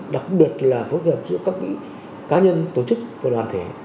đặc biệt là phối hợp giữa các cá nhân tổ chức và đoàn thể